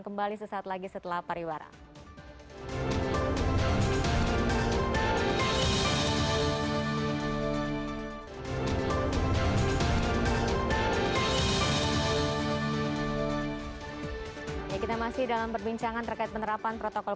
kembali sesaat lagi setelah pariwara